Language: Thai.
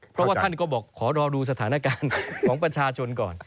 เพราะว่าท่านก็บอกขอรอดูสถานการณ์ของประชาชนก่อน